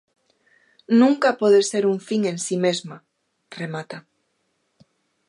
Nunca pode ser un fin en si mesma, remata.